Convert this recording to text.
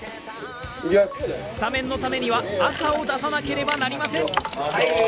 スタメンのためには赤を出さなければなりません。